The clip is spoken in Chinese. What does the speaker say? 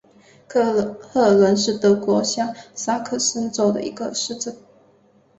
克赫伦是德国下萨克森州的一个市镇。